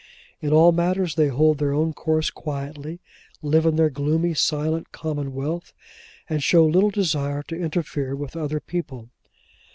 In all matters they hold their own course quietly, live in their gloomy, silent commonwealth, and show little desire to interfere with other people.